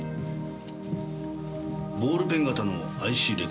ボールペン型のＩＣレコーダーです。